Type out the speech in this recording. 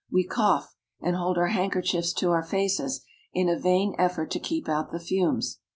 We cough, and hold our handkerchiefs to our faces in a vain effort to keep out the fumes.